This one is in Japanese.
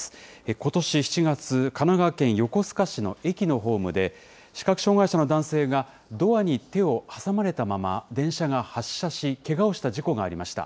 ことし７月、神奈川県横須賀市の駅のホームで、視覚障害者の男性がドアに手を挟まれたまま電車が発車し、けがをした事故がありました。